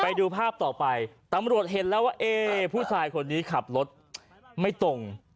ไปดูภาพต่อไปตำรวจเห็นแล้วว่าเอ๊ผู้ชายคนนี้ขับรถไม่ตรง